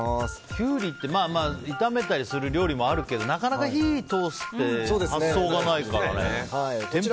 キュウリって炒めたりする料理もあるけどなかなか火を通すって発想がないからね。